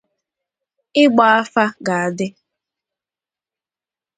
ịgba afa ga-adị